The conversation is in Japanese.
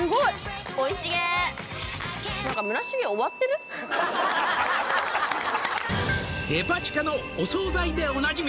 何か「テパ地下のお惣菜でおなじみ」